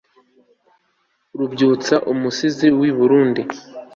Rubyutsa umusizi wi Burundi